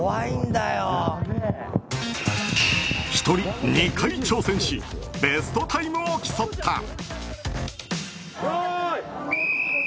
１人２回挑戦しベストタイムを競った。